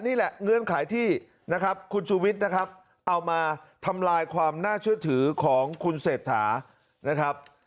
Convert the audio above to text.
นี่แหละเงื่อนไขที่คุณชุวิตเอามาทำลายความน่าเชื่อถือของคุณเศรษฐา